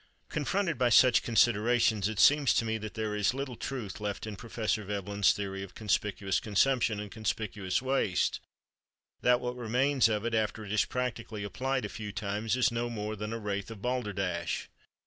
Confronted by such considerations, it seems to me that there is little truth left in Prof. Dr. Veblen's theory of conspicuous consumption and conspicuous waste—that what remains of it, after it is practically applied a few times, is no more than a wraith of balderdash.